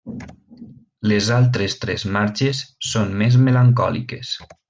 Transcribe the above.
Les altres tres marxes són més melancòliques.